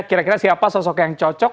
kira kira siapa sosok yang cocok